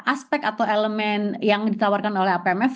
aspek atau elemen yang ditawarkan oleh apmf